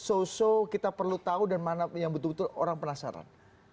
mana yang kira kira so so kita perlu tahu dan mana yang betul betul orang penasaran